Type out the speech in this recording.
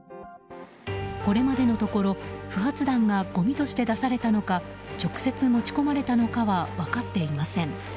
これまでのところ不発弾がごみとして出されたのか直接持ち込まれたのかは分かっていません。